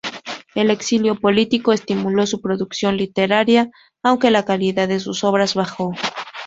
El exilio político estimuló su producción literaria, aunque la calidad de sus obras bajó.